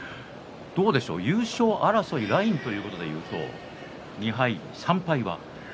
優勝争いラインというところでいうと２敗３敗は。